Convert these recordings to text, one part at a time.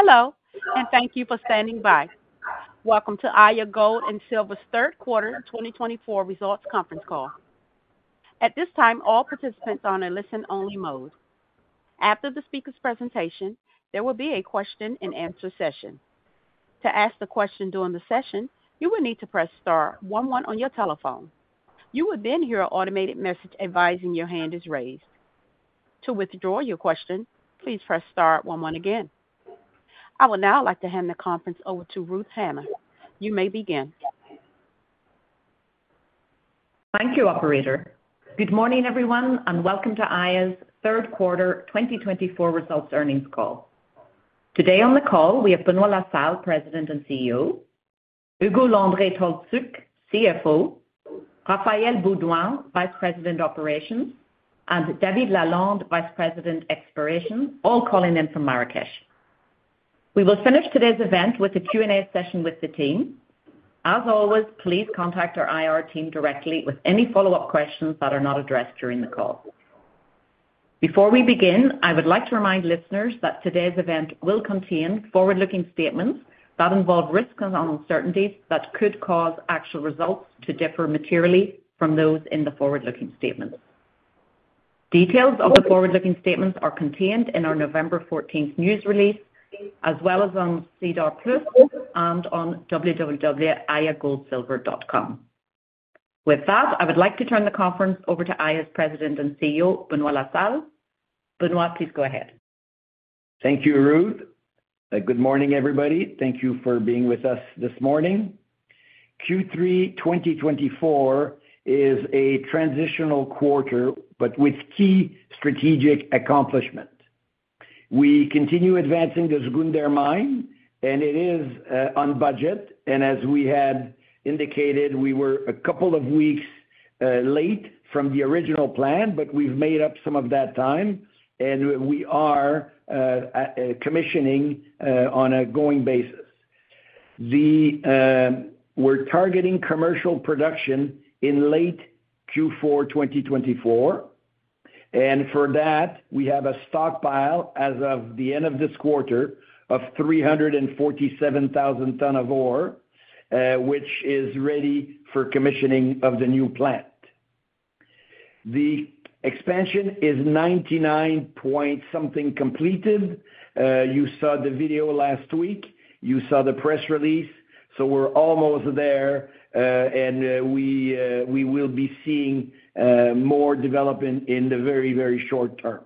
Hello, and thank you for standing by. Welcome to Aya Gold & Silver's third quarter 2024 results conference call. At this time, all participants are on a listen-only mode. After the speaker's presentation, there will be a question-and-answer session. To ask a question during the session, you will need to press Star one one on your telephone. You will then hear an automated message advising your hand is raised. To withdraw your question, please press Star one one again. I would now like to hand the conference over to Ruth Hanna. You may begin. Thank you, Operator. Good morning, everyone, and welcome to Aya's third quarter 2024 results earnings call. Today on the call, we have Benoit La Salle, President and CEO; Ugo Landry-Tolszczuk, CFO; Raphaël Beaudoin, Vice President Operations; and David Lalonde, Vice President Exploration, all calling in from Marrakesh. We will finish today's event with a Q&A session with the team. As always, please contact our IR team directly with any follow-up questions that are not addressed during the call. Before we begin, I would like to remind listeners that today's event will contain forward-looking statements that involve risks and uncertainties that could cause actual results to differ materially from those in the forward-looking statements. Details of the forward-looking statements are contained in our November 14th news release, as well as on SEDAR+ and on www.ayagoldsilver.com. With that, I would like to turn the conference over to Aya's President and CEO, Benoit La Salle. Benoit, please go ahead. Thank you, Ruth. Good morning, everybody. Thank you for being with us this morning. Q3 2024 is a transitional quarter, but with key strategic accomplishments. We continue advancing the Zgounder mine, and it is on budget, and as we had indicated, we were a couple of weeks late from the original plan, but we've made up some of that time, and we are commissioning on a going basis. We're targeting commercial production in late Q4 2024, and for that, we have a stockpile, as of the end of this quarter, of 347,000 tons of ore, which is ready for commissioning of the new plant. The expansion is 99 point something completed. You saw the video last week. You saw the press release, so we're almost there, and we will be seeing more development in the very, very short-term.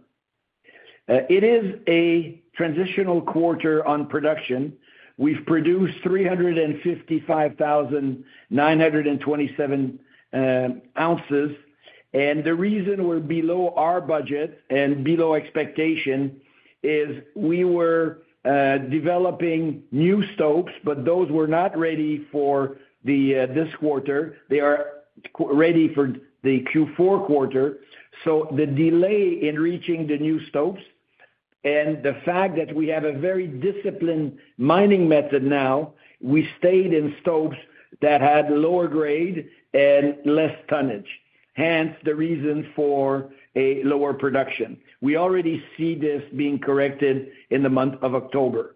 It is a transitional quarter on production. We've produced 355,927 ounces. The reason we're below our budget and below expectation is we were developing new stopes, but those were not ready for this quarter. They are ready for the Q4 quarter. The delay in reaching the new stopes and the fact that we have a very disciplined mining method now, we stayed in stopes that had lower grade and less tonnage. Hence, the reason for a lower production. We already see this being corrected in the month of October.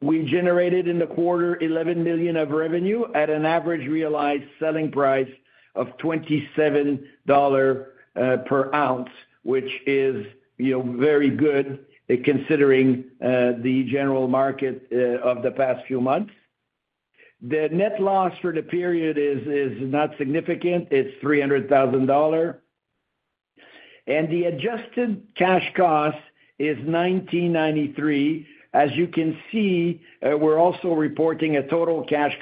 We generated in the quarter $11 million of revenue at an average realized selling price of $27 per ounce, which is very good considering the general market of the past few months. The net loss for the period is not significant. It's $300,000. The adjusted cash cost is $1,993. As you can see, we're also reporting a total cash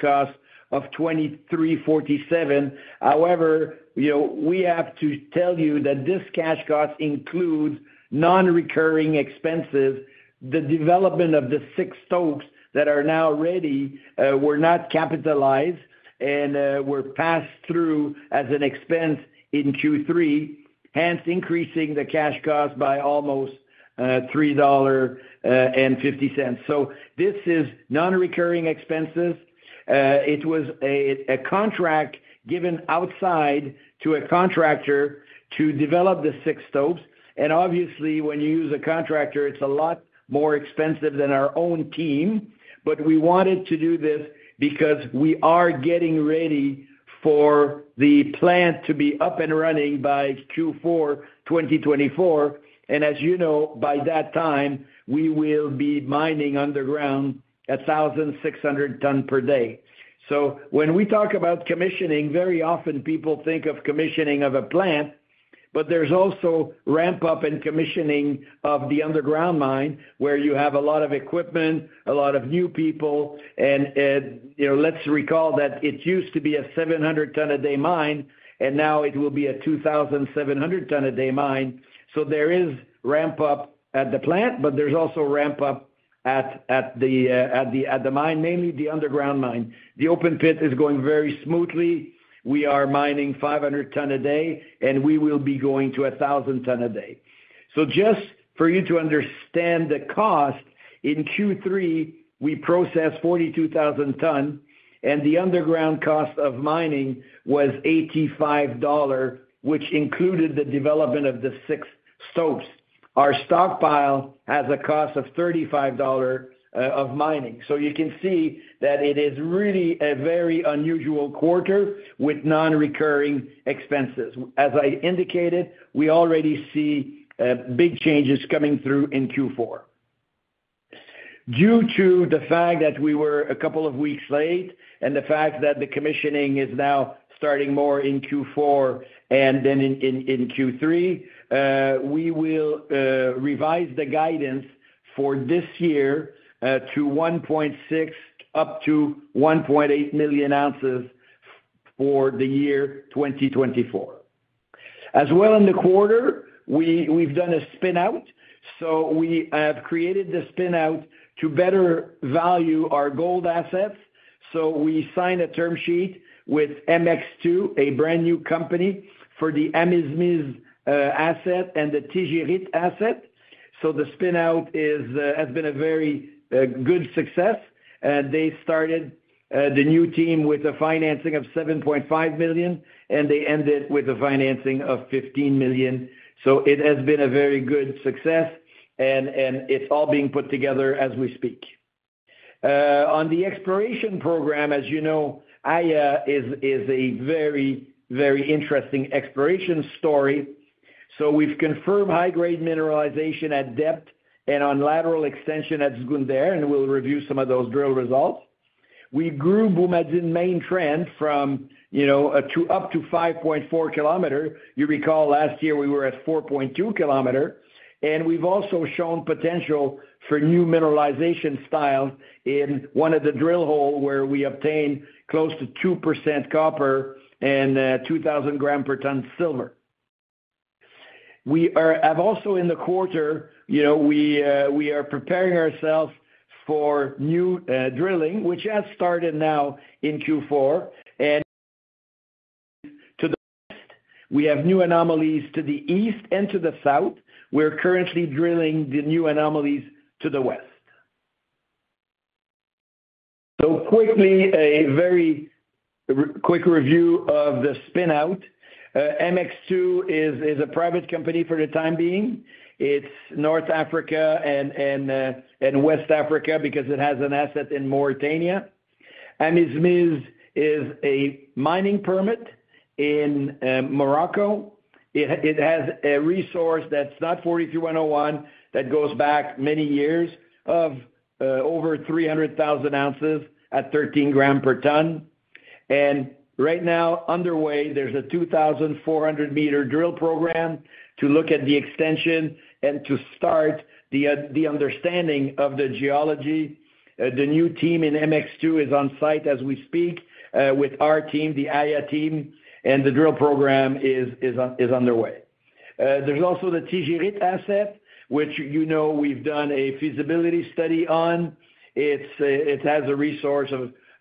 cost of $2,347. However, we have to tell you that this cash cost includes non-recurring expenses. The development of the six stopes that are now ready were not capitalized, and were passed through as an expense in Q3, hence increasing the cash cost by almost $3.50, so this is non-recurring expenses. It was a contract given outside to a contractor to develop the six stopes, and obviously, when you use a contractor, it's a lot more expensive than our own team. But we wanted to do this because we are getting ready for the plant to be up and running by Q4 2024, and as you know, by that time, we will be mining underground 1,600 tons per day. So when we talk about commissioning, very often people think of commissioning of a plant, but there's also ramp-up and commissioning of the underground mine where you have a lot of equipment, a lot of new people. And let's recall that it used to be a 700-ton-a-day mine, and now it will be a 2,700-ton-a-day mine. So there is ramp-up at the plant, but there's also ramp-up at the mine, mainly the underground mine. The Open Pit is going very smoothly. We are mining 500 tons a day, and we will be going to 1,000 tons a day. So just for you to understand the cost, in Q3, we processed 42,000 tons, and the underground cost of mining was $85, which included the development of the six stopes. Our stockpile has a cost of $35 of mining. You can see that it is really a very unusual quarter with non-recurring expenses. As I indicated, we already see big changes coming through in Q4. Due to the fact that we were a couple of weeks late and the fact that the commissioning is now starting more in Q4 and then in Q3, we will revise the guidance for this year to 1.6-1.8 million ounces for the year 2024. As well, in the quarter, we have done a spin-out. We have created the spin-out to better value our gold assets. We signed a term sheet with Mx2, a brand new company for the Amizmiz asset and the Tijirit asset. The spin-out has been a very good success. They started the new team with a financing of $7.5 million, and they ended with a financing of $15 million. It has been a very good success, and it's all being put together as we speak. On the exploration program, as you know, Aya is a very, very interesting exploration story. We've confirmed high-grade mineralization at depth and on lateral extension at Zgounder, and we'll review some of those drill results. We grew Boumadine from up to 5.4 kilometers. You recall last year we were at 4.2 kilometers. We've also shown potential for new mineralization styles in one of the drill holes where we obtained close to 2% copper and 2,000 grams per ton silver. We are also in the quarter, we are preparing ourselves for new drilling, which has started now in Q4. To the west, we have new anomalies to the east and to the south. We're currently drilling the new anomalies to the west. Quickly, a very quick review of the spin-out. Mx2 is a private company for the time being. It's North Africa and West Africa because it has an asset in Mauritania. Amizmiz is a mining permit in Morocco. It has a resource that's not 43-101 that goes back many years of over 300,000 ounces at 13 g per ton. And right now, underway, there's a 2,400 m drill program to look at the extension and to start the understanding of the geology. The new team in Mx2 is on site as we speak with our team, the Aya team, and the drill program is underway. There's also the Tijirit asset, which you know we've done a feasibility study on. It has a resource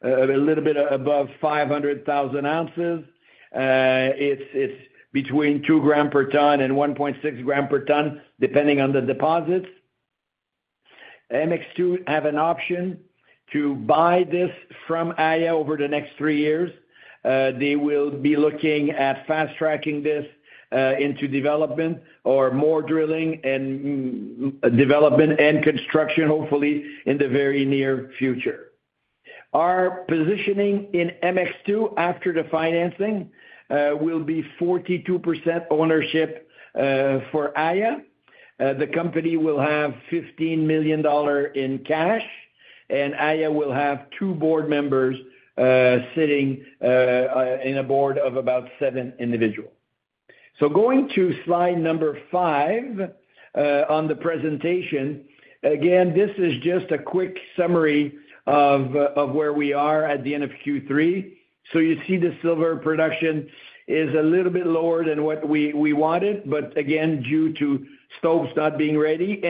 of a little bit above 500,000 ounces. It's between 2 g per ton and 1.6 g per ton, depending on the deposits. Mx2 has an option to buy this from Aya over the next three years. They will be looking at fast-tracking this into development or more drilling and development and construction, hopefully, in the very near future. Our positioning in Mx2 after the financing will be 42% ownership for Aya. The company will have $15 million in cash, and Aya will have two board members sitting in a board of about seven individuals. So going to slide number five on the presentation, again, this is just a quick summary of where we are at the end of Q3. So you see the silver production is a little bit lower than what we wanted, but again, due to stopes not being ready.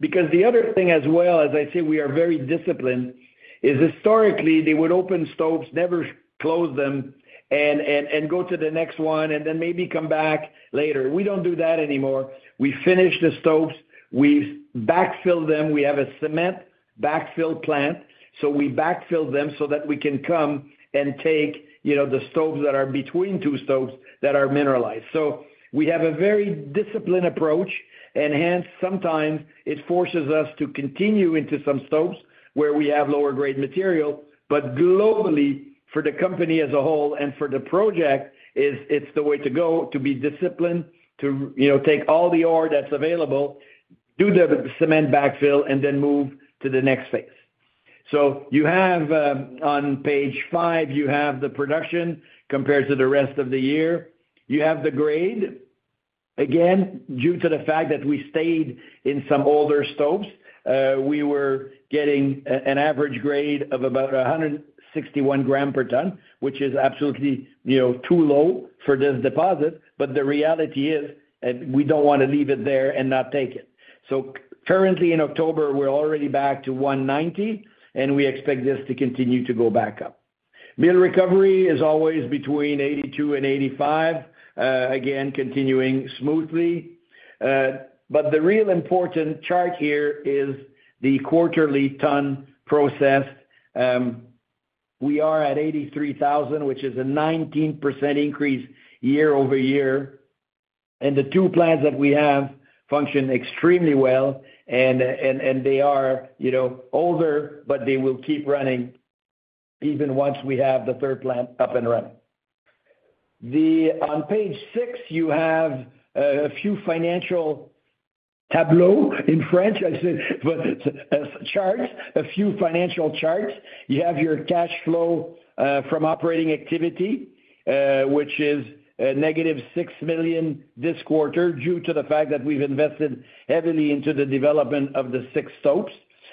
Because the other thing as well, as I say, we are very disciplined: historically, they would open stopes, never close them, and go to the next one, and then maybe come back later. We don't do that anymore. We finish the stopes. We backfill them. We have a cement backfill plant, so we backfill them so that we can come and take the stopes that are between two stopes that are mineralized, so we have a very disciplined approach, and hence, sometimes it forces us to continue into some stopes where we have lower-grade material, but globally, for the company as a whole and for the project. It's the way to go to be disciplined, to take all the ore that's available, do the cement backfill, and then move to the next phase, so you have on Page five, you have the production compared to the rest of the year. You have the grade. Again, due to the fact that we stayed in some older stopes, we were getting an average grade of about 161 g per ton, which is absolutely too low for this deposit. But the reality is we don't want to leave it there and not take it. So currently, in October, we're already back to 190 g, and we expect this to continue to go back up. Mill recovery is always between 82%-85%, again, continuing smoothly. But the real important chart here is the quarterly ton process. We are at 83,000, which is a 19% increase year-over-year. And the two plants that we have function extremely well, and they are older, but they will keep running even once we have the third plant up and running. On Page 6, you have a few financial tableaux in French, I said, but charts, a few financial charts. You have your cash flow from operating activity, which is -$6 million this quarter due to the fact that we've invested heavily into the development of the six stopes.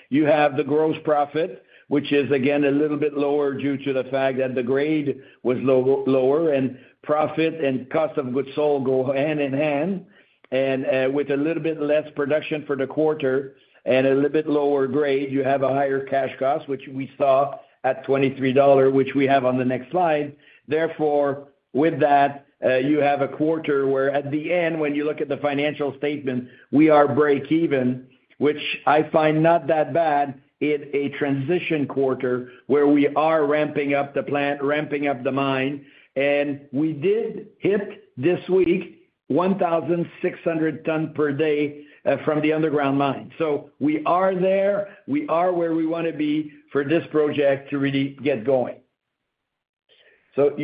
You have the gross profit, which is, again, a little bit lower due to the fact that the grade was lower, and profit and cost of goods sold go hand in hand. With a little bit less production for the quarter and a little bit lower grade, you have a higher cash cost, which we saw at $23, which we have on the next slide. Therefore, with that, you have a quarter where at the end, when you look at the financial statement, we are break even, which I find not that bad in a transition quarter where we are ramping up the plant, ramping up the mine. And we did hit this week 1,600 tons per day from the underground mine. So we are there. We are where we want to be for this project to really get going. So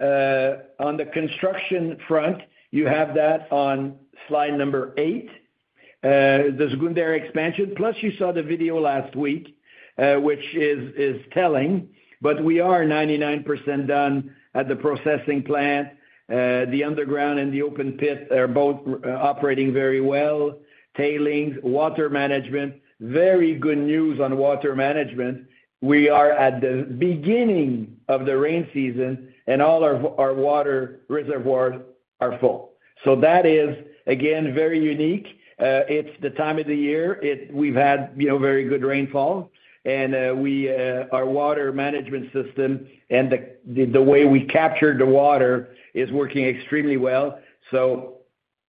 on the construction front, you have that on slide number eight, the Zgounder expansion. Plus, you saw the video last week, which is telling. But we are 99% done at the processing plant. The underground and the open pit are both operating very well. Tailings, water management, very good news on water management. We are at the beginning of the rain season, and all our water reservoirs are full. So that is, again, very unique. It's the time of the year. We've had very good rainfall. And our water management system and the way we captured the water is working extremely well. So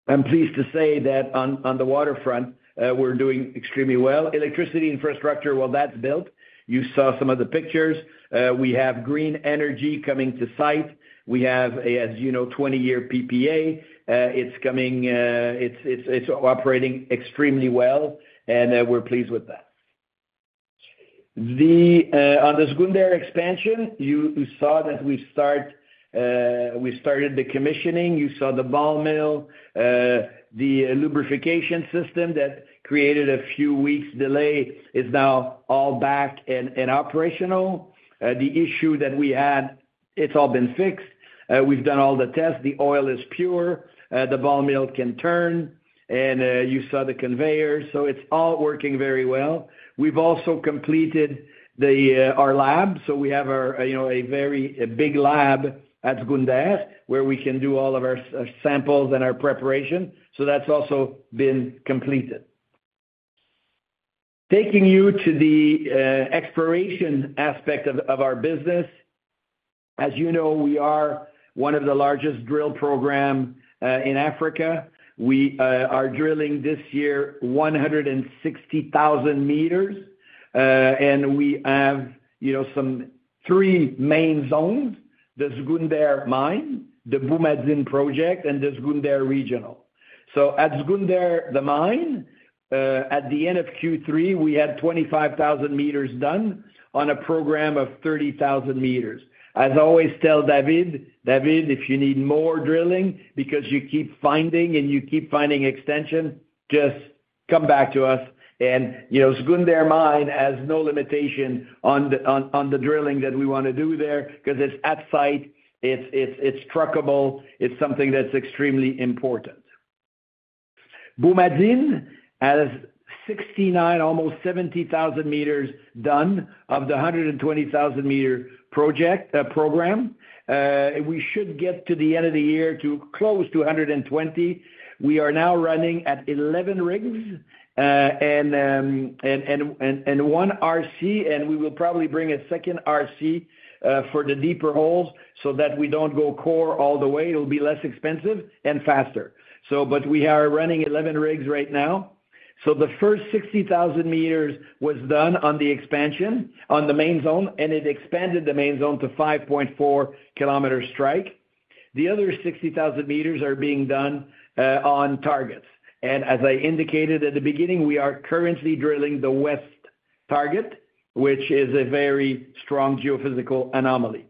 I'm pleased to say that on the waterfront, we're doing extremely well. Electricity infrastructure, well, that's built. You saw some of the pictures. We have green energy coming to site. We have, as you know, 20-year PPA. It's operating extremely well, and we're pleased with that. On the Zgounder expansion, you saw that we started the commissioning. You saw the ball mill. The lubrication system that created a few weeks' delay is now all back and operational. The issue that we had, it's all been fixed. We've done all the tests. The oil is pure. The ball mill can turn. And you saw the conveyor. So it's all working very well. We've also completed our lab. We have a very big lab at Zgounder where we can do all of our samples and our preparation. That's also been completed. Taking you to the exploration aspect of our business. As you know, we are one of the largest drill programs in Africa. We are drilling this year 160,000 m, and we have some three main zones: the Zgounder mine, the Boumadine project, and the Zgounder regional. At Zgounder mine, at the end of Q3, we had 25,000 m done on a program of 30,000 m. As I always tell David, David, if you need more drilling because you keep finding and you keep finding extension, just come back to us. Zgounder mine has no limitation on the drilling that we want to do there because it's at site. It's trackable. It's something that's extremely important. Boumadine has 69,000, almost 70,000 m done of the 120,000-m project program. We should get to the end of the year to close to 120. We are now running at 11 rigs and one RC, and we will probably bring a second RC for the deeper holes so that we don't go core all the way. It'll be less expensive and faster. But we are running 11 rigs right now. So the first 60,000 m was done on the expansion on the main zone, and it expanded the main zone to 5.4 km strike. The other 60,000 m are being done on targets. And as I indicated at the beginning, we are currently drilling the west target, which is a very strong geophysical anomaly.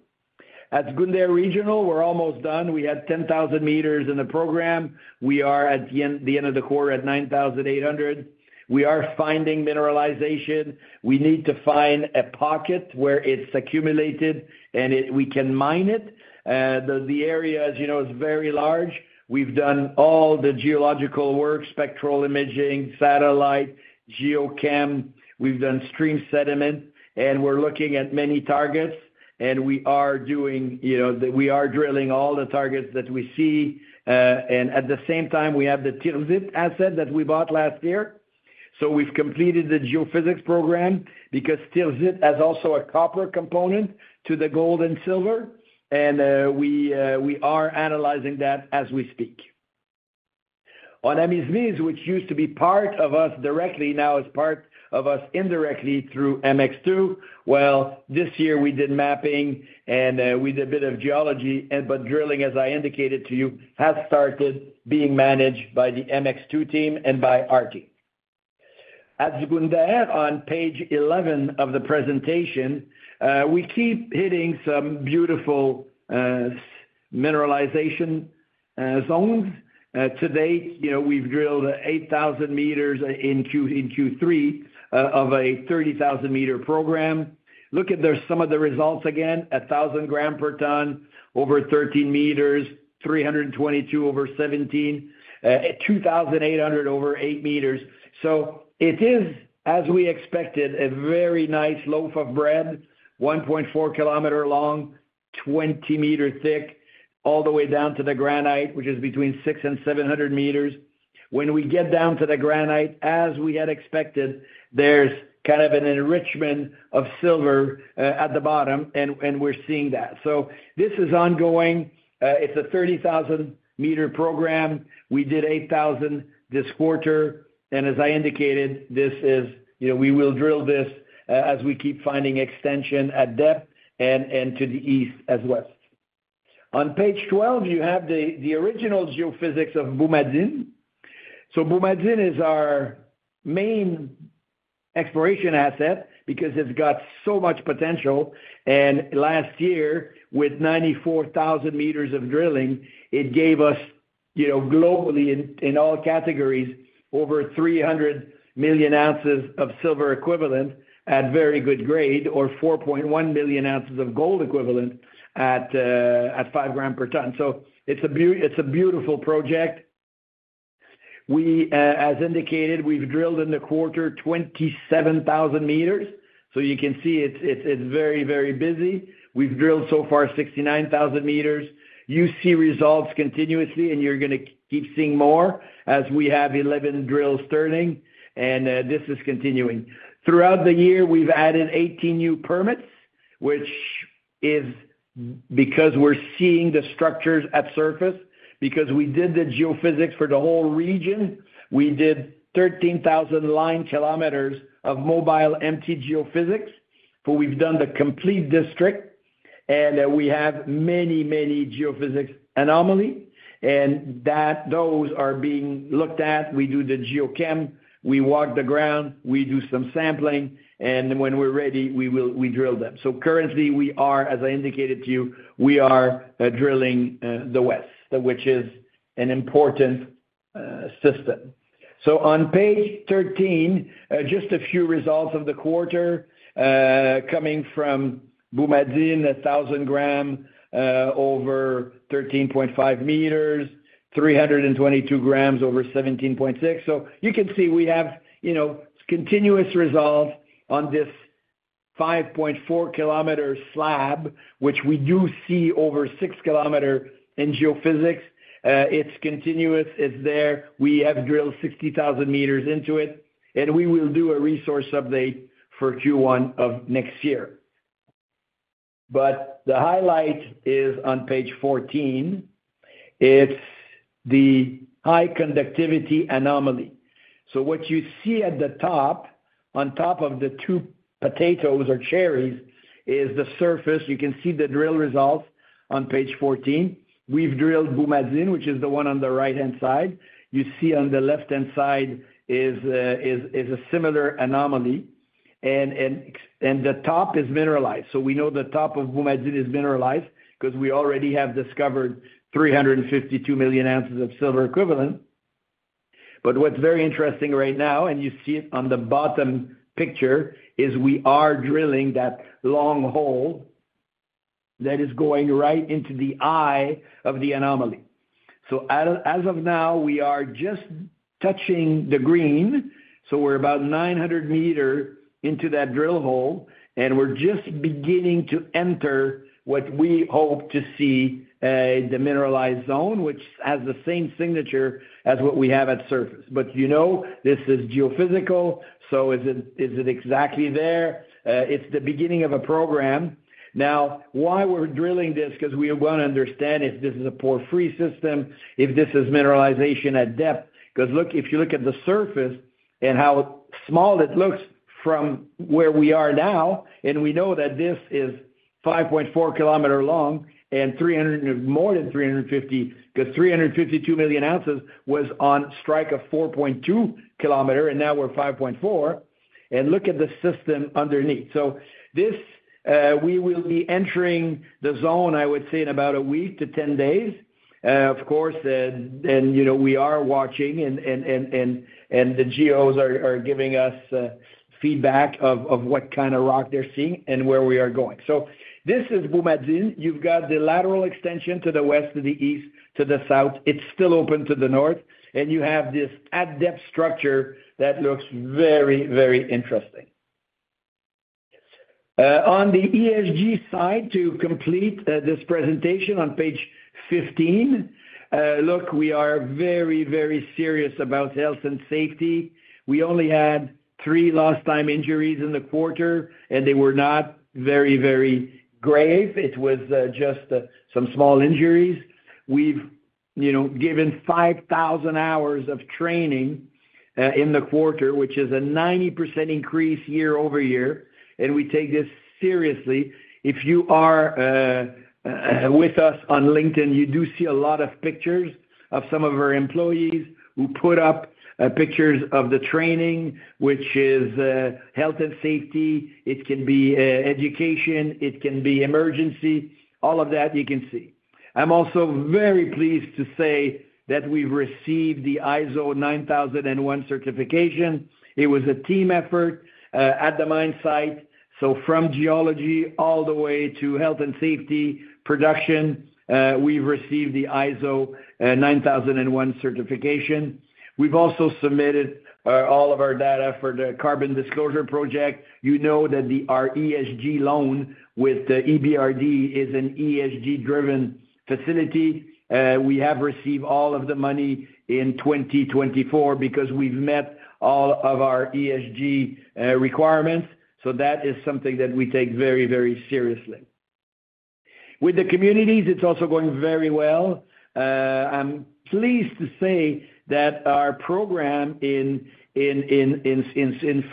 At Zgounder regional, we're almost done. We had 10,000 m in the program. We are at the end of the quarter at 9,800. We are finding mineralization. We need to find a pocket where it's accumulated, and we can mine it. The area, as you know, is very large. We've done all the geological work, spectral imaging, satellite, geochem. We've done stream sediment, and we're looking at many targets, and we are doing that. We are drilling all the targets that we see, and at the same time, we have the Tirzzit asset that we bought last year, so we've completed the geophysics program because Tirzzit has also a copper component to the gold and silver, and we are analyzing that as we speak. On Amizmiz, which used to be part of us directly, now is part of us indirectly through Mx2, well, this year, we did mapping, and we did a bit of geology. Drilling, as I indicated to you, has started being managed by the Mx2 team and by our team. At Zgounder, on Page 11 of the presentation, we keep hitting some beautiful mineralization zones. To date, we've drilled 8,000 m in Q3 of a 30,000 m program. Look at some of the results again: 1,000 g per ton, over 13 m, 322 over 17, 2,800 over 8 m. It is, as we expected, a very nice loaf of bread, 1.4 km long, 20-m thick, all the way down to the granite, which is between six and 700 m. When we get down to the granite, as we had expected, there's kind of an enrichment of silver at the bottom, and we're seeing that. This is ongoing. It's a 30,000 m program. We did 8,000 m this quarter. As I indicated, we will drill this as we keep finding extension at depth and to the east as well. On Page 12, you have the original geophysics of Boumadine. So Boumadine is our main exploration asset because it's got so much potential. And last year, with 94,000 m of drilling, it gave us, globally, in all categories, over 300 million ounces of silver equivalent at very good grade or 4.1 million ounces of gold equivalent at 5 g per ton. So it's a beautiful project. As indicated, we've drilled in the quarter 27,000 m. So you can see it's very, very busy. We've drilled so far 69,000 m. You see results continuously, and you're going to keep seeing more as we have 11 drills turning. And this is continuing. Throughout the year, we've added 18 new permits, which is because we're seeing the structures at surface. Because we did the geophysics for the whole region, we did 13,000 line kilometers of MobileMT geophysics. But we've done the complete district. And we have many, many geophysics anomalies. And those are being looked at. We do the geochem. We walk the ground. We do some sampling. And when we're ready, we drill them. So currently, as I indicated to you, we are drilling the west, which is an important system. So on Page 13, just a few results of the quarter coming from Boumadine: 1,000 g over 13.5 m, 322 g over 17.6 m. So you can see we have continuous results on this 5.4 km slab, which we do see over 6 km in geophysics. It's continuous. It's there. We have drilled 60,000 m into it. We will do a resource update for Q1 of next year. The highlight is on Page 14. It's the high conductivity anomaly. What you see at the top, on top of the two potatoes or cherries, is the surface. You can see the drill results on Page 14. We've drilled Boumadine, which is the one on the right-hand side. You see on the left-hand side is a similar anomaly. The top is mineralized. We know the top of Boumadine is mineralized because we already have discovered 352 million ounces of silver equivalent. What's very interesting right now, and you see it on the bottom picture, is we are drilling that long hole that is going right into the eye of the anomaly. As of now, we are just touching the green. We're about 900 m into that drill hole. We're just beginning to enter what we hope to see the mineralized zone, which has the same signature as what we have at surface. But this is geophysical. So is it exactly there? It's the beginning of a program. Now, why we're drilling this? Because we want to understand if this is a porphyry system, if this is mineralization at depth. Because look, if you look at the surface and how small it looks from where we are now, and we know that this is 5.4 kilometer long and more than 350 because 352 million ounces was on strike of 4.2 km, and n kmow we're 5.4. And look at the system underneath. So we will be entering the zone, I would say, in about a week to 10 days. Of course, we are watching, and the geos are giving us feedback of what kind of rock they're seeing and where we are going. So this is Boumadine. You've got the lateral extension to the west, to the east, to the south. It's still open to the north. And you have this at-depth structure that looks very, very interesting. On the ESG side, to complete this presentation on Page 15, look, we are very, very serious about health and safety. We only had three last-time injuries in the quarter, and they were not very, very grave. It was just some small injuries. We've given 5,000 hours of training in the quarter, which is a 90% increase year-over-year. And we take this seriously. If you are with us on LinkedIn, you do see a lot of pictures of some of our employees who put up pictures of the training, which is health and safety. It can be education. It can be emergency. All of that you can see. I'm also very pleased to say that we've received the ISO 9001 certification. It was a team effort at the mine site. So from geology all the way to health and safety production, we've received the ISO 9001 certification. We've also submitted all of our data for the Carbon Disclosure Project. You know that the ESG loan with EBRD is an ESG-driven facility. We have received all of the money in 2024 because we've met all of our ESG requirements. So that is something that we take very, very seriously. With the communities, it's also going very well. I'm pleased to say that our program in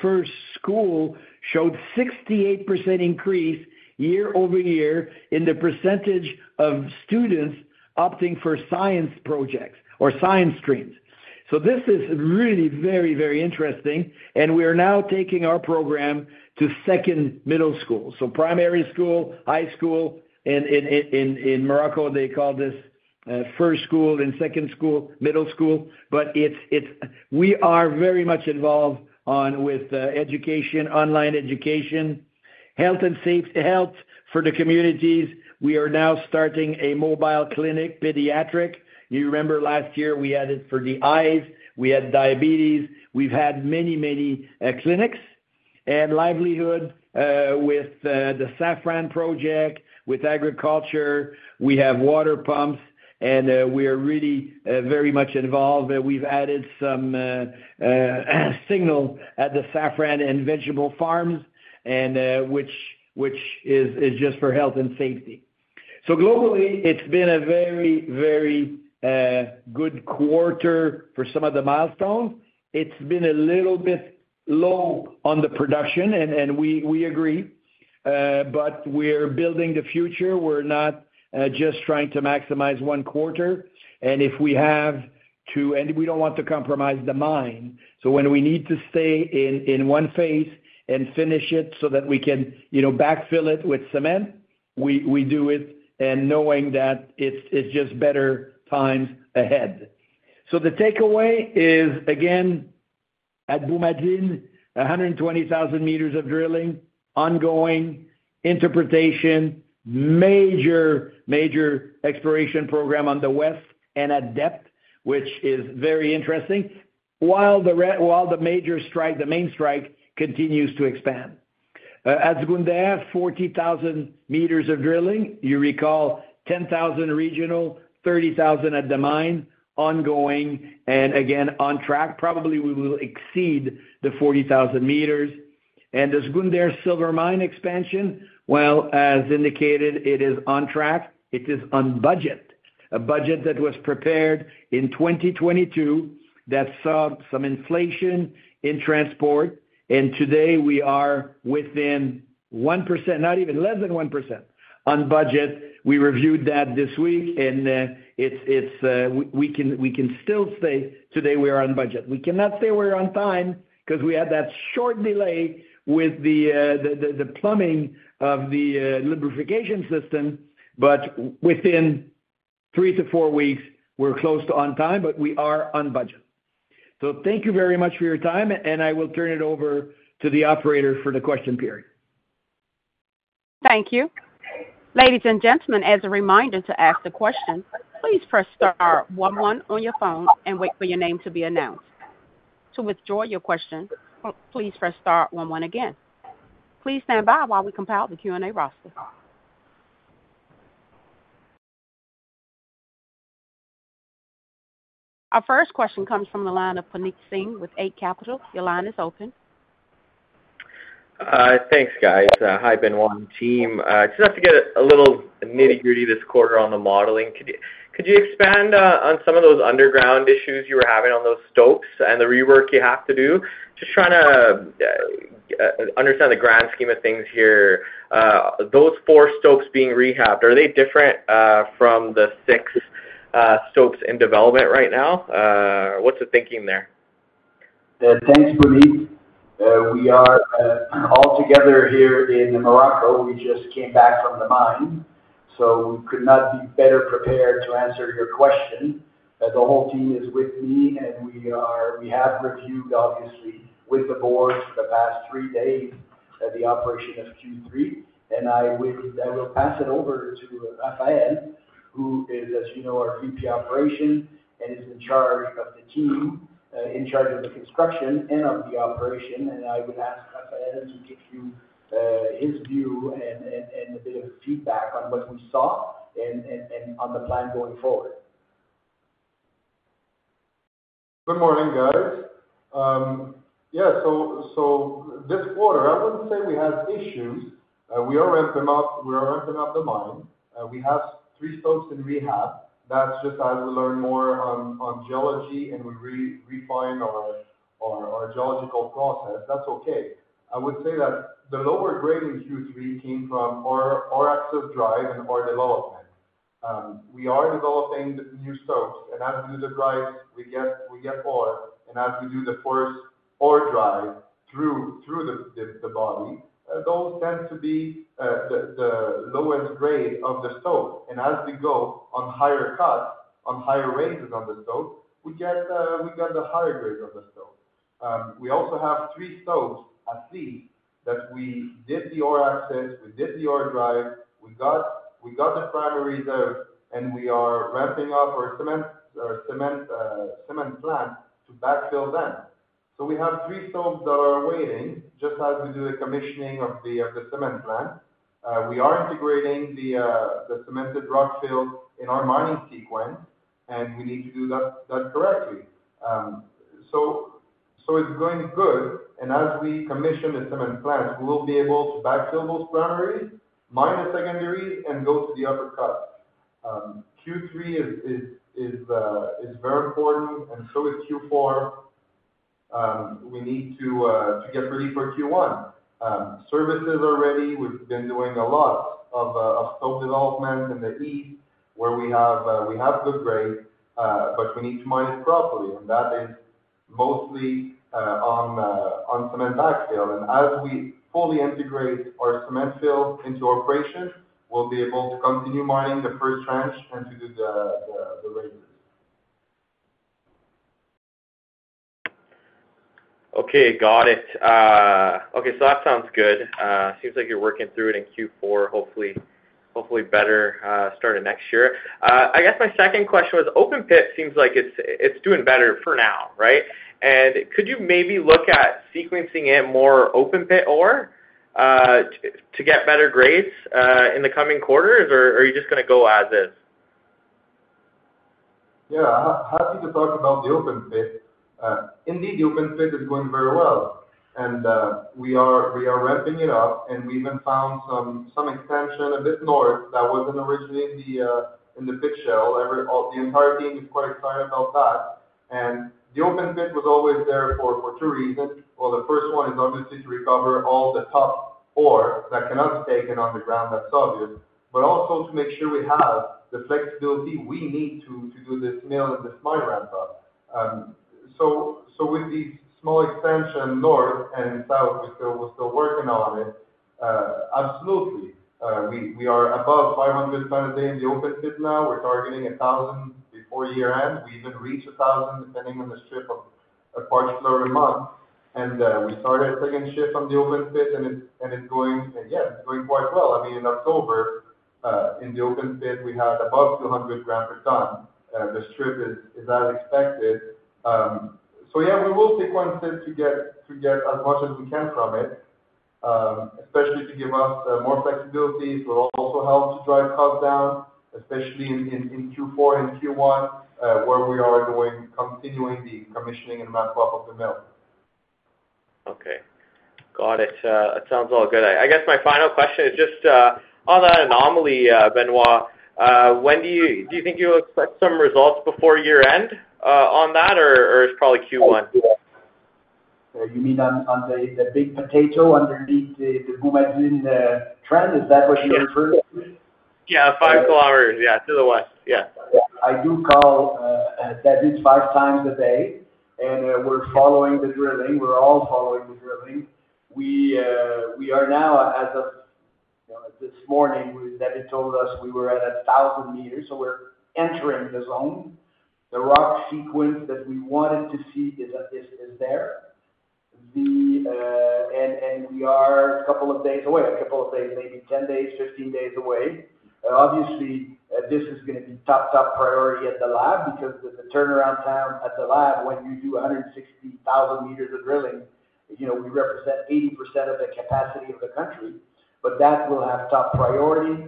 first school showed a 68% increase year-over-year in the percentage of students opting for science projects or science streams. So this is really very, very interesting. And we are now taking our program to second middle school. So primary school, high school. In Morocco, they call this first school and second school, middle school. But we are very much involved with education, online education, health for the communities. We are now starting a mobile clinic, pediatric. You remember last year we had it for the eyes. We had diabetes. We've had many, many clinics. And livelihood with the Saffron project, with agriculture. We have water pumps, and we are really very much involved. We've added some signal at the saffron and vegetable farms, which is just for health and safety. So globally, it's been a very, very good quarter for some of the milestones. It's been a little bit low on the production, and we agree. But we're building the future. We're not just trying to maximize one quarter. And if we have to, and we don't want to compromise the mine. So when we need to stay in one phase and finish it so that we can backfill it with cement, we do it knowing that it's just better times ahead. So the takeaway is, again, at Boumadine, 120,000 m of drilling, ongoing interpretation, major, major exploration program on the west and at depth, which is very interesting, while the major strike, the main strike continues to expand. At Zgounder, 40,000 m of drilling. You recall 10,000 regional, 30,000 at the mine, ongoing and again on track. Probably we will exceed the 40,000 m. And the Zgounder silver mine expansion, well, as indicated, it is on track. It is on budget, a budget that was prepared in 2022 that saw some inflation in transport. And today, we are within 1%, not even less than 1% on budget. We reviewed that this week. And we can still say today we are on budget. We cannot say we're on time because we had that short delay with the plumbing of the lubrication system. But within three to four weeks, we're close to on time, but we are on budget. So thank you very much for your time. And I will turn it over to the operator for the question period. Thank you. Ladies and gentlemen, as a reminder to ask the question, please press Star one one on your phone and wait for your name to be announced. To withdraw your question, please press Star one one again. Please stand by while we compile the Q&A roster. Our first question comes from the line of Puneet Singh with Eight Capital. Your line is open. Thanks, guys. Hi, Benoit and team. It's enough to get a little nitty-gritty this quarter on the modeling. Could you expand on some of those underground issues you were having on those stopes and the rework you have to do? Just trying to understand the grand scheme of things here. Those four stopes being rehabbed, are they different from the six stopes in development right now? What's the thinking there? Thanks, Puneet. We are all together here in Morocco. We just came back from the mine. So we could not be better prepared to answer your question. The whole team is with me, and we have reviewed, obviously, with the board for the past three days the operation of Q3. And I will pass it over to Raphaël, who is, as you know, our VP Operations and is in charge of the team, in charge of the construction and of the operation. And I would ask Raphaël to give you his view and a bit of feedback on what we saw and on the plan going forward. Good morning, guys. Yeah, so this quarter, I wouldn't say we have issues. We are ramping up the mine. We have three stopes in rehab. That's just as we learn more on geology and we refine our geological process. That's okay. I would say that the lower grade in Q3 came from our active drive and our development. We are developing new stopes. And as we do the drives, we get ore. And as we do the first ore drive through the body, those tend to be the lowest grade of the stope. And as we go on higher cuts, on higher raises on the stope, we get the higher grade of the stope. We also have three stopes at least that we did the ore access. We did the ore drive. We got the primary there, and we are ramping up our cement plant to backfill them. So we have three stopes that are waiting just as we do the commissioning of the cement plant. We are integrating the cemented rock fill in our mining sequence, and we need to do that correctly. So it's going good. And as we commission the cement plants, we will be able to backfill those primaries, mine the secondaries, and go to the upper cuts. Q3 is very important, and so is Q4. We need to get ready for Q1. Services are ready. We've been doing a lot of stope development in the east where we have good grade, but we need to mine it properly. And that is mostly on cement backfill. And as we fully integrate our cement fill into operation, we'll be able to continue mining the first tranche and to do the raises. Okay, got it. Okay, so that sounds good. Seems like you're working through it in Q4, hopefully better starting next year. I guess my second question was Open Pit seems like it's doing better for now, right? And could you maybe look at sequencing it more Open Pit ore to get better grades in the coming quarters, or are you just going to go as is? Yeah, happy to talk about the Open Pit. Indeed, the open pit is going very well and we are ramping it up, and we even found some extension a bit north that wasn't originally in the pit shell. The entire team is quite excited about that and the open pit was always there for two reasons. The first one is obviously to recover all the top ore that cannot be taken on the ground. That's obvious, but also to make sure we have the flexibility we need to do this mill and this mine ramp up. With these small extensions north and south, we're still working on it. Absolutely. We are above 500 tons a day in the open pit now. We're targeting 1,000 before year-end. We even reach 1,000 depending on the strip of parts per month. And we started a second shift on the open pit, and it's going quite well. I mean, in October, in the open pit, we had above 200 g a ton. The strip is as expected. So yeah, we will sequence it to get as much as we can from it, especially to give us more flexibility. It will also help to drive costs down, especially in Q4 and Q1, where we are continuing the commissioning and ramp-up of the mill. Okay. Got it. It sounds all good. I guess my final question is just on that anomaly, Benoit, do you think you'll expect some results before year-end on that, or it's probably Q1? You mean on the big potato underneath the Boumadine trend? Is that what you're referring to? Yeah, 5 km, yeah, to the west. Yeah. I do call David five times a day, and we're following the drilling. We're all following the drilling. We are now, as of this morning, David told us we were at 1,000 m, so we're entering the zone. The rock sequence that we wanted to see is there, and we are a couple of days away, a couple of days, maybe 10 days, 15 days away. Obviously, this is going to be top, top priority at the lab because the turnaround time at the lab, when you do 160,000 m of drilling, we represent 80% of the capacity of the country, but that will have top priority.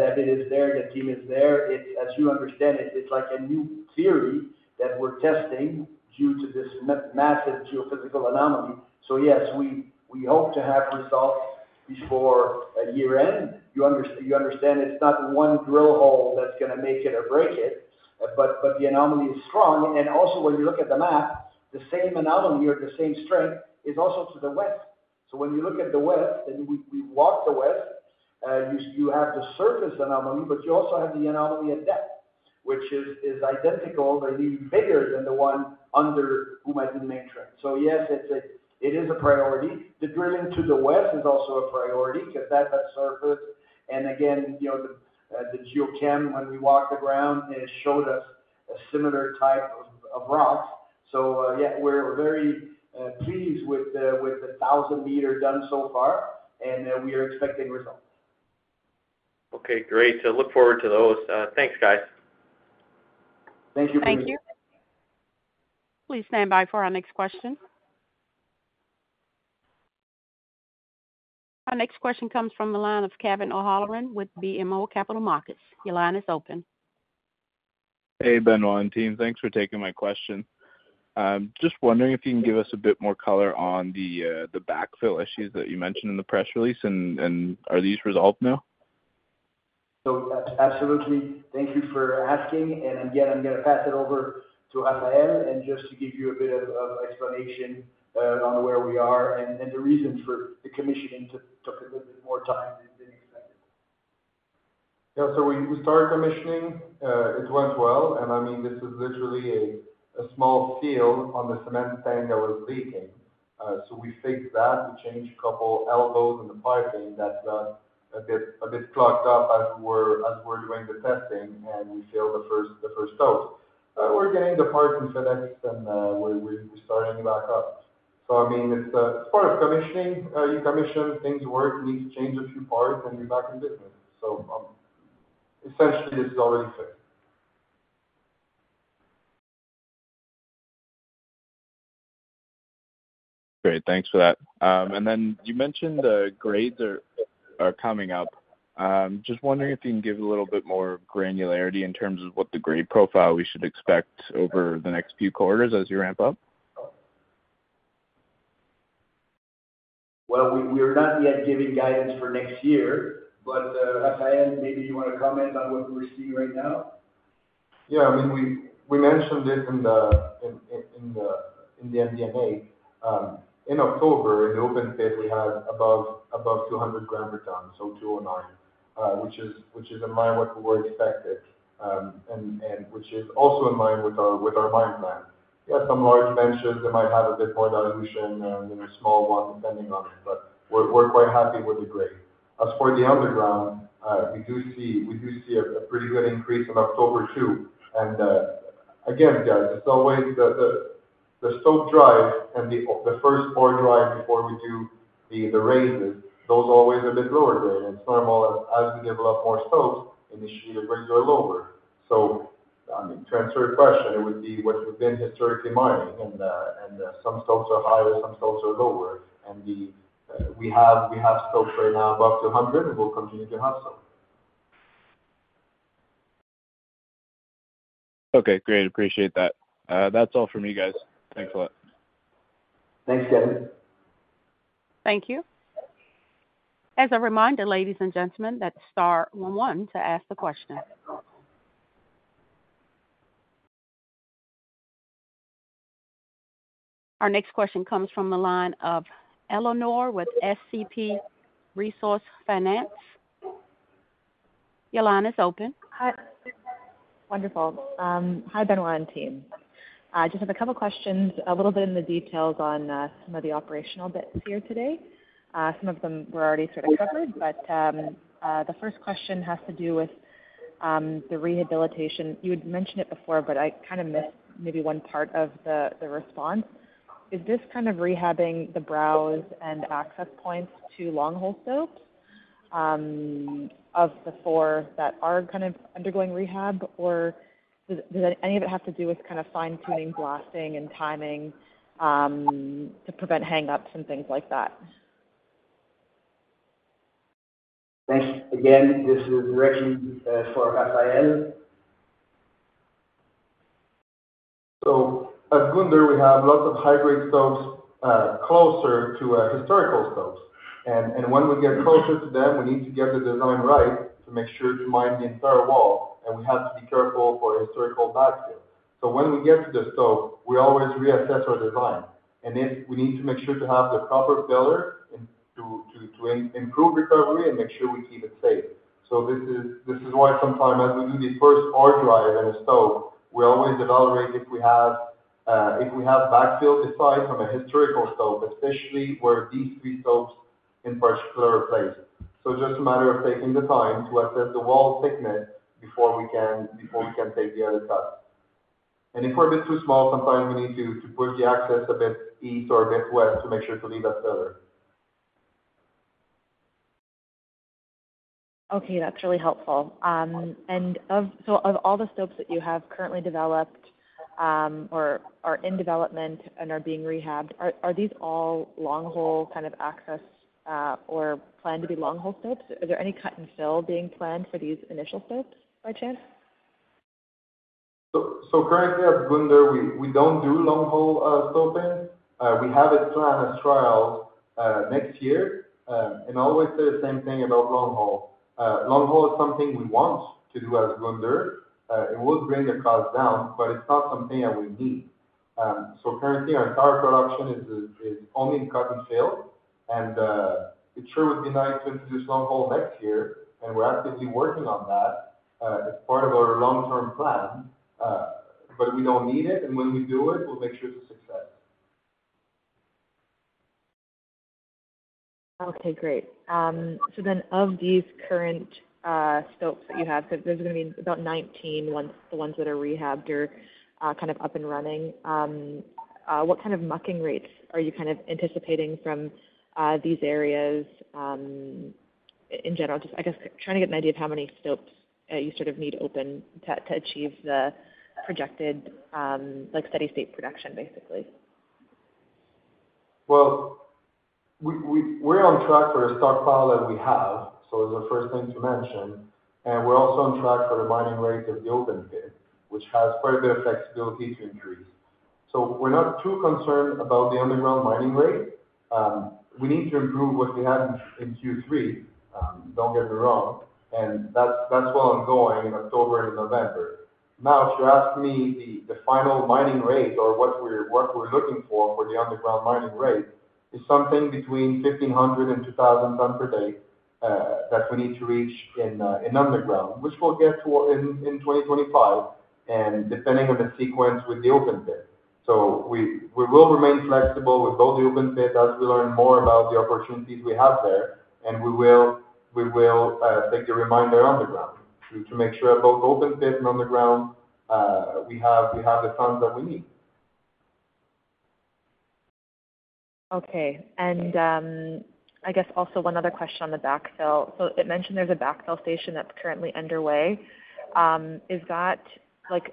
David is there. The team is there. As you understand, it's like a new theory that we're testing due to this massive geophysical anomaly, so yes, we hope to have results before year-end. You understand it's not one drill hole that's going to make it or break it, but the anomaly is strong, and also, when you look at the map, the same anomaly or the same strength is also to the west, so when you look at the west, and we walk the west, you have the surface anomaly, but you also have the anomaly at depth, which is identical, but even bigger than the one under Boumadine. So yes, it is a priority. The drilling to the west is also a priority because that's at surface, and again, the geochem, when we walked the ground, showed us a similar type of rock, so yeah, we're very pleased with the 1,000 m done so far, and we are expecting results. Okay, great. So, look forward to those. Thanks, guys. Thank you. Thank you. Please stand by for our next question. Our next question comes from the line of Kevin O'Halloran with BMO Capital Markets. Your line is open. Hey, Benoit and team. Thanks for taking my question. Just wondering if you can give us a bit more color on the backfill issues that you mentioned in the press release, and are these resolved now? So absolutely. Thank you for asking. And again, I'm going to pass it over to Raphaël and just to give you a bit of explanation on where we are and the reason for the commissioning took a little bit more time than expected. Yeah, so we started commissioning. It went well, and I mean, this is literally a small seal on the cement tank that was leaking, so we fixed that. We changed a couple elbows in the piping that got a bit clogged up as we were doing the testing, and we filled the first stope. We're getting the parts in place, and we're starting to backfill, so I mean, it's part of commissioning. You commission, things work. You need to change a few parts, and you're back in business, so essentially, this is already fixed. Great. Thanks for that. And then you mentioned the grades are coming up. Just wondering if you can give a little bit more granularity in terms of what the grade profile we should expect over the next few quarters as you ramp up? We are not yet giving guidance for next year, but Raphaël, maybe you want to comment on what we're seeing right now? Yeah. I mean, we mentioned it in the MD&A. In October, in the open pit, we had above 200 g a ton, so 209, which is in line with what we expected and which is also in line with our mine plan. Yeah, some large benches, they might have a bit more dilution and a small one depending on it, but we're quite happy with the grade. As for the underground, we do see a pretty good increase in October too. And again, guys, it's always the stope drive and the first ore drive before we do the raises, those are always a bit lower grade. And it's normal as we develop more stopes, initially the grades are lower. So I mean, to answer your question, it would be what we've been historically mining, and some stopes are higher, some stopes are lower. We have stopes right now above 200, and we'll continue to have some. Okay, great. Appreciate that. That's all from you guys. Thanks a lot. Thanks, Kevin. Thank you. As a reminder, ladies and gentlemen, that's Star one one to ask the question. Our next question comes from the line of Eleanor with SCP Resource Finance. Your line is open. Hi. Wonderful. Hi, Benoit and team. I just have a couple of questions, a little bit in the details on some of the operational bits here today. Some of them were already sort of covered, but the first question has to do with the rehabilitation. You had mentioned it before, but I kind of missed maybe one part of the response. Is this kind of rehabbing the brows and access points to long-hole stoping of the four that are kind of undergoing rehab, or does any of it have to do with kind of fine-tuning blasting and timing to prevent hang-ups and things like that? Thanks. Again, this is Rachid for Raphaël. So at Zgounder, we have lots of high-grade stopes closer to historical stopes. And when we get closer to them, we need to get the design right to make sure to mine the entire wall. And we have to be careful for historical backfill. So when we get to the stope, we always reassess our design. And we need to make sure to have the proper fill to improve recovery and make sure we keep it safe. So this is why sometimes as we do the first ore drive in a stope, we always evaluate if we have backfilled the site from a historical stope, especially where these three stopes in particular are placed. So just a matter of taking the time to assess the wall thickness before we can take the other cuts. If we're a bit too small, sometimes we need to push the access a bit east or a bit west to make sure to leave that filler. Okay, that's really helpful. And so of all the stopes that you have currently developed or are in development and are being rehabbed, are these all long-hole kind of access or planned to be long-hole stopes? Is there any cut-and-fill being planned for these initial stopes by chance? Currently at Zgounder, we don't do long-hole stoping. We have it planned as trials next year. And always say the same thing about long-hole. Long-hole is something we want to do at Zgounder. It will bring the cost down, but it's not something that we need. Currently, our entire production is only in cut-and-fill. And it sure would be nice to introduce long-hole next year, and we're actively working on that. It's part of our long-term plan, but we don't need it. And when we do it, we'll make sure it's a success. Okay, great. So then of these current stopes that you have, so there's going to be about 19, the ones that are rehabbed or kind of up and running. What kind of mucking rates are you kind of anticipating from these areas in general? Just, I guess, trying to get an idea of how many stopes you sort of need open to achieve the projected steady-state production, basically. We're on track for a stockpile that we have. It's the first thing to mention. We're also on track for the mining rate of the open pit, which has quite a bit of flexibility to increase. We're not too concerned about the underground mining rate. We need to improve what we have in Q3, don't get me wrong. That's well ongoing in October and November. Now, if you ask me the final mining rate or what we're looking for for the underground mining rate, it's something between 1,500 and 2,000 ton per day that we need to reach in underground, which we'll get in 2025, and depending on the sequence with the open pit. We will remain flexible with both the open pit as we learn more about the opportunities we have there. We will take the remainder underground to make sure at both open pit and underground, we have the funds that we need. Okay. And I guess also one other question on the backfill. So it mentioned there's a backfill station that's currently underway. Are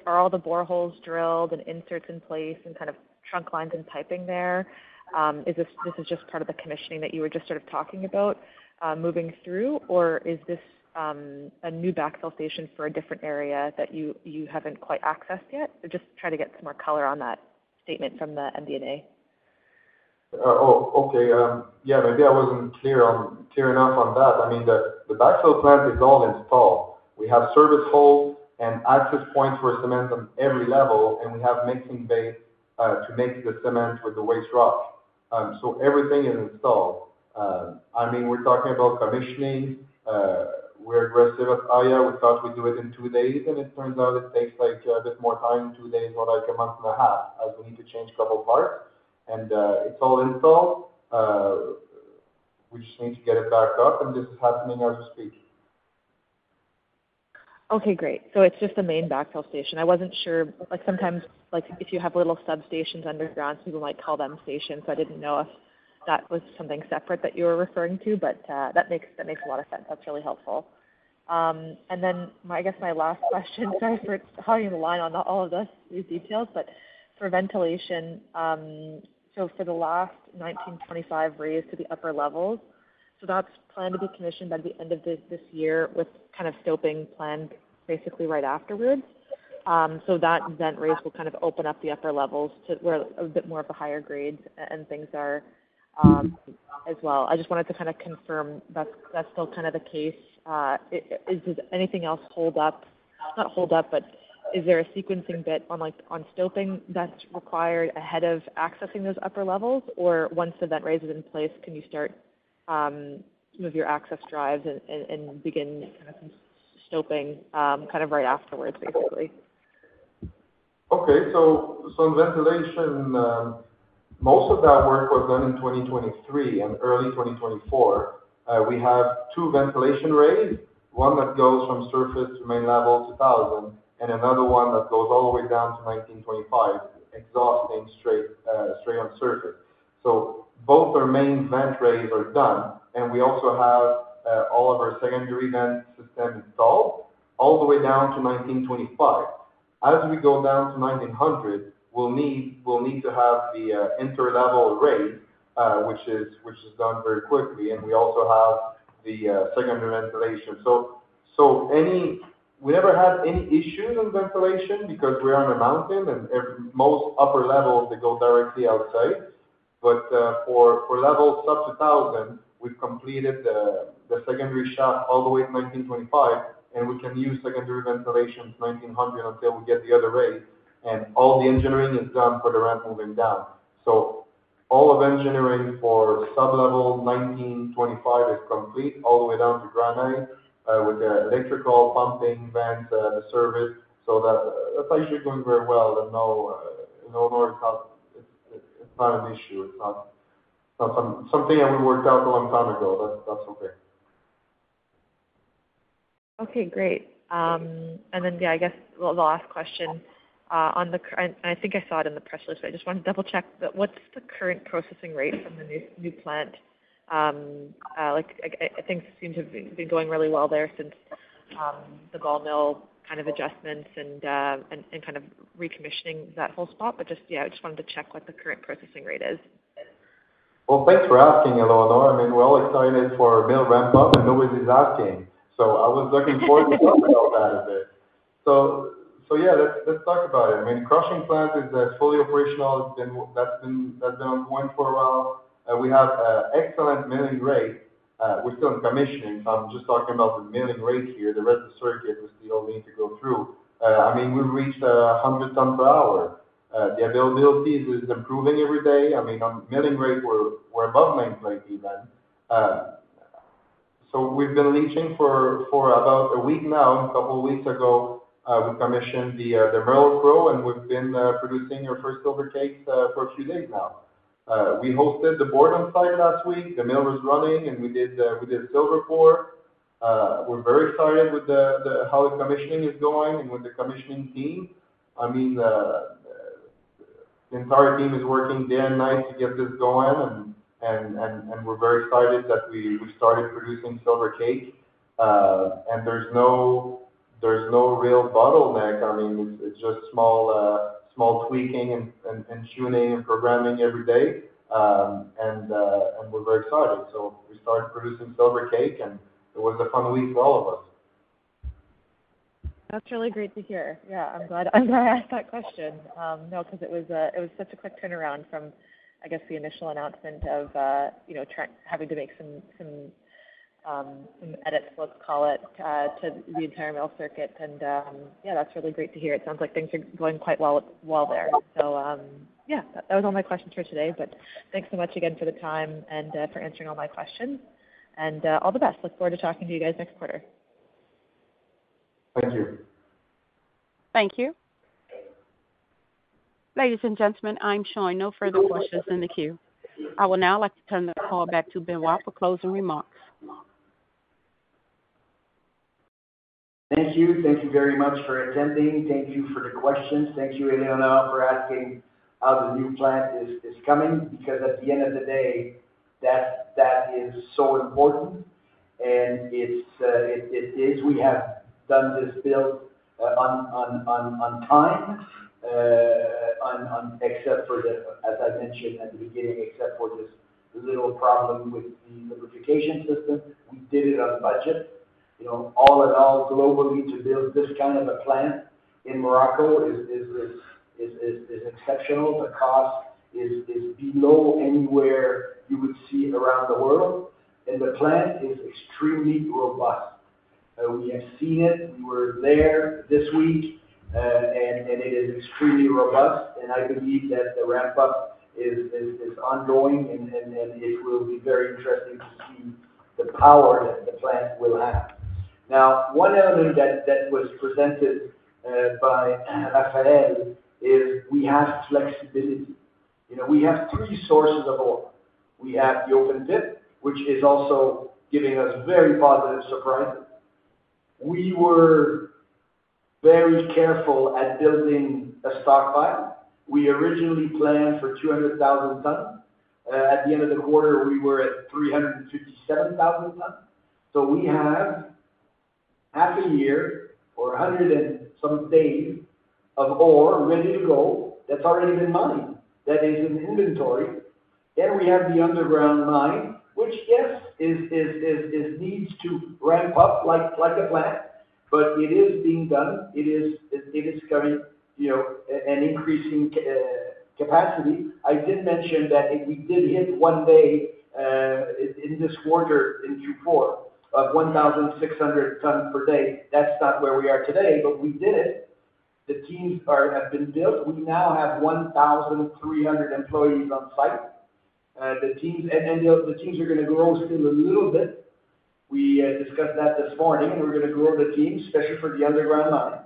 all the boreholes drilled and inserts in place and kind of trunk lines and piping there? This is just part of the commissioning that you were just sort of talking about moving through, or is this a new backfill station for a different area that you haven't quite accessed yet? Just trying to get some more color on that statement from the MD&A. Oh, okay. Yeah, maybe I wasn't clear enough on that. I mean, the backfill plant is all installed. We have service holes and access points for cement on every level, and we have mixing bay to mix the cement with the waste rock. So everything is installed. I mean, we're talking about commissioning. We're aggressive at IA. We thought we'd do it in two days, and it turns out it takes a bit more time, two days or like a month and a half, as we need to change a couple parts, and it's all installed. We just need to get it back up, and this is happening as we speak. Okay, great. So it's just the main backfill station. I wasn't sure. Sometimes if you have little substations underground, people might call them stations. So I didn't know if that was something separate that you were referring to, but that makes a lot of sense. That's really helpful, and then, I guess my last question, sorry for cutting the line on all of these details, but for ventilation, so for the last 1925 raise to the upper levels, so that's planned to be commissioned by the end of this year with kind of stoping planned basically right afterwards. So that vent raise will kind of open up the upper levels to where a bit more of a higher grade and things are as well. I just wanted to kind of confirm that's still kind of the case. Does anything else hold up? No holdup, but is there a sequencing bit on stoping that's required ahead of accessing those upper levels? Or once the vent raise is in place, can you start some of your access drives and begin kind of stoping kind of right afterwards, basically? Okay. So on ventilation, most of that work was done in 2023 and early 2024. We have two ventilation raises, one that goes from surface to main level to 1,000, and another one that goes all the way down to 1925, exhausting straight to surface. So both our main vent raises are done, and we also have all of our secondary vent system installed all the way down to 1925. As we go down to 1900, we'll need to have the interlevel raise, which is done very quickly. And we also have the secondary ventilation. So we never had any issues in ventilation because we are on a mountain, and most upper levels, they go directly outside. But for levels up to 1,000, we've completed the secondary shaft all the way to 1925, and we can use secondary ventilation to 1900 until we get the other raise. And all the engineering is done for the ramp moving down. So all of engineering for sublevel 1925 is complete all the way down to granite with the electrical pumping vents and the service. So that's actually going very well. There's no worries. It's not an issue. It's not something that we worked out a long time ago. That's okay. Okay, great. And then, yeah, I guess the last question on the current, and I think I saw it in the press release, but I just wanted to double-check. What's the current processing rate from the new plant? I think it seems to have been going really well there since the bore mill kind of adjustments and kind of recommissioning that whole spot. But just, yeah, I just wanted to check what the current processing rate is. Thanks for asking, Eleanor. I mean, we're always excited for a real ramp-up, and nobody's asking. I was looking forward to talking about that a bit. Yeah, let's talk about it. I mean, the crushing plant is fully operational. That's been ongoing for a while. We have excellent milling rate. We're still in commissioning. I'm just talking about the milling rate here. The rest of the circuit is still needing to go through. I mean, we reached 100 ton per hour. The availability is improving every day. I mean, on milling rate, we're above nameplate even. We've been leaching for about a week now. A couple of weeks ago, we commissioned the Merrill-Crowe, and we've been producing our first silver cakes for a few days now. We hosted the board on site last week. The mill was running, and we did silver pour. We're very excited with how the commissioning is going and with the commissioning team. I mean, the entire team is working day and night to get this going, and we're very excited that we started producing silver cake, and there's no real bottleneck. I mean, it's just small tweaking and tuning and programming every day, and we're very excited, so we started producing silver cake, and it was a fun week for all of us. That's really great to hear. Yeah, I'm glad I asked that question. No, because it was such a quick turnaround from, I guess, the initial announcement of having to make some edits, let's call it, to the entire mill circuit. And yeah, that's really great to hear. It sounds like things are going quite well there. So yeah, that was all my questions for today, but thanks so much again for the time and for answering all my questions. And all the best. Look forward to talking to you guys next quarter. Thank you. Thank you. Ladies and gentlemen, I'm showing no further questions in the queue. I will now like to turn the call back to Benoit for closing remarks. Thank you. Thank you very much for attending. Thank you for the questions. Thank you, Eleanor, for asking how the new plant is coming because at the end of the day, that is so important, and it is we have done this build on time, except for the, as I mentioned at the beginning, except for this little problem with the lubrication system. We did it on budget. All in all, globally, to build this kind of a plant in Morocco is exceptional. The cost is below anywhere you would see around the world, and the plant is extremely robust. We have seen it. We were there this week, and it is extremely robust, and I believe that the ramp-up is ongoing, and it will be very interesting to see the power that the plant will have. Now, one element that was presented by Raphaël is we have flexibility. We have three sources of ore. We have the open pit, which is also giving us very positive surprises. We were very careful at building a stockpile. We originally planned for 200,000 tons. At the end of the quarter, we were at 357,000 tons. So we have half a year or 100 and some days of ore ready to go that's already been mined. That is in inventory. Then we have the underground mine, which, yes, needs to ramp up like a plant, but it is being done. It is coming in increasing capacity. I did mention that we did hit one day in this quarter in Q4 of 1,600 tons per day. That's not where we are today, but we did it. The teams have been built. We now have 1,300 employees on site. The teams are going to grow still a little bit. We discussed that this morning, and we're going to grow the teams, especially for the underground mine,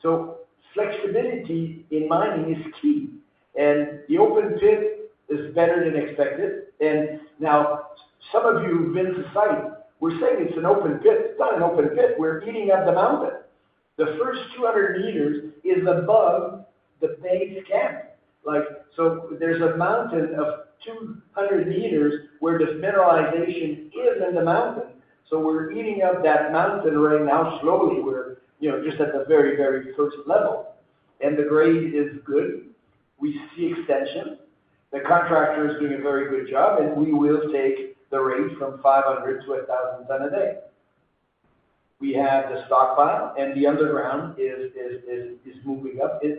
so flexibility in mining is key, the open pit is better than expected and now, some of you who've been to the site, we're saying it's an open pit. It's not an open pit. We're eating up the mountain. The first 200 meters is above the base camp. So there's a mountain of 200 m where the mineralization is in the mountain. So we're eating up that mountain right now slowly. We're just at the very, very first level, and the grade is good. We see extension. The contractor is doing a very good job, and we will take the rate from 500 ton to 1,000 ton a day. We have the stockpile, and the underground is moving up, and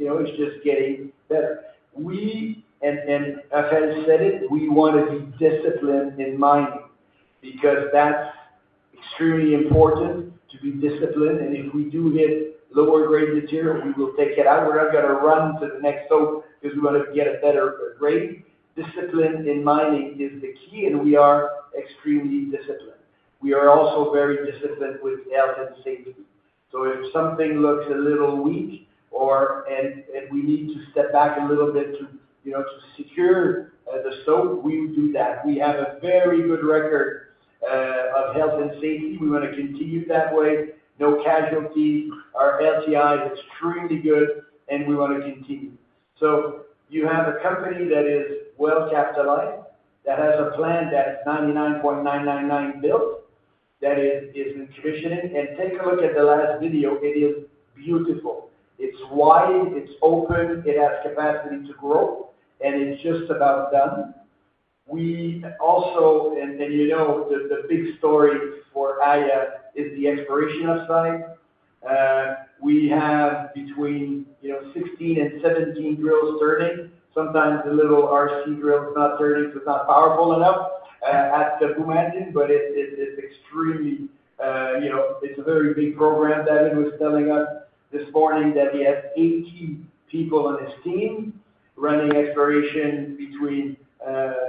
it's just getting better. As I said, we want to be disciplined in mining because that's extremely important to be disciplined. If we do hit lower-grade material, we will take it out. We're not going to run to the next stope because we want to get a better rate. Discipline in mining is the key, and we are extremely disciplined. We are also very disciplined with health and safety. If something looks a little weak and we need to step back a little bit to secure the stope, we will do that. We have a very good record of health and safety. We want to continue that way. No casualties. Our LTI is extremely good, and we want to continue. You have a company that is well-capitalized, that has a plant that's 99.999% built, that is in commissioning. Take a look at the last video. It is beautiful. It's wide. It's open. It has capacity to grow, and it's just about done. And you know the big story for Aya is the exploration onsite. We have between 16 and 17 drills turning. Sometimes the little RC drill is not turning, so it's not powerful enough at the Boumadine, but it's extremely a very big program. David was telling us this morning that he has 80 people on his team running exploration between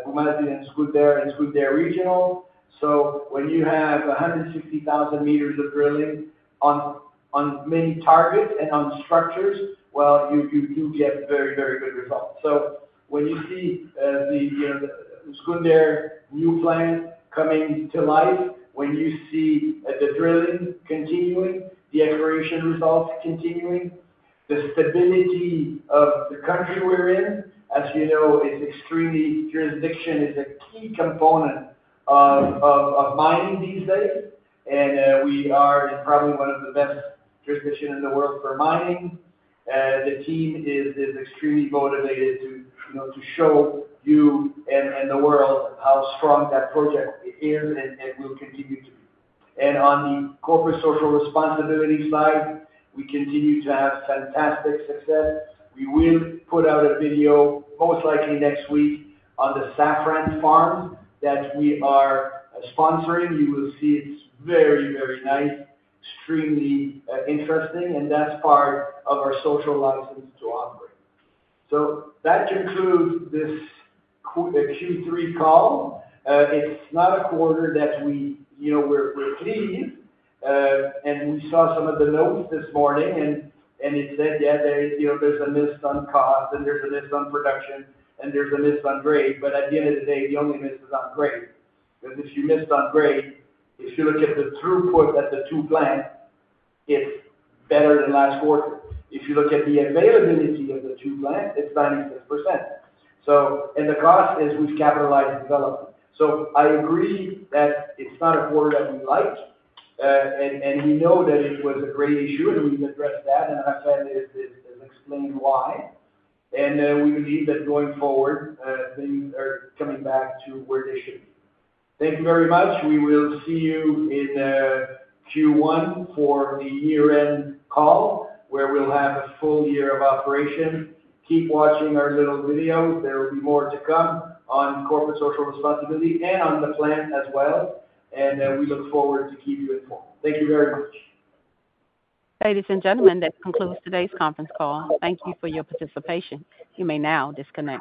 Boumadine and Zgounder and Zgounder Regional. So when you have 160,000 m of drilling on many targets and on structures, well, you do get very, very good results. So when you see the Zgounder new plant coming to life, when you see the drilling continuing, the exploration results continuing, the stability of the country we're in, as you know, jurisdiction is a key component of mining these days. We are probably one of the best jurisdictions in the world for mining. The team is extremely motivated to show you and the world how strong that project is and will continue to be. On the corporate social responsibility side, we continue to have fantastic success. We will put out a video, most likely next week, on the saffron farm that we are sponsoring. You will see it's very, very nice, extremely interesting, and that's part of our social license to operate. That concludes this Q3 call. It's not a quarter that we're pleased, and we saw some of the notes this morning, and it said, yeah, there's a miss on cost, and there's a miss on production, and there's a miss on grade. At the end of the day, the only miss is on grade. Because if you miss on grade, if you look at the throughput at the two plants, it's better than last quarter. If you look at the availability of the two plants, it's 96%. And the cost is we've capitalized development. So I agree that it's not a quarter that we like, and we know that it was a great issue, and we've addressed that, and Raphaël has explained why. And we believe that going forward, things are coming back to where they should be. Thank you very much. We will see you in Q1 for the year-end call, where we'll have a full-year of operation. Keep watching our little videos. There will be more to come on corporate social responsibility and on the plant as well. And we look forward to keeping you informed. Thank you very much. Ladies and gentlemen, that concludes today's conference call. Thank you for your participation. You may now disconnect.